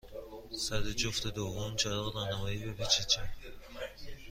سر جفت دوم چراغ راهنمایی، بپیچید چپ.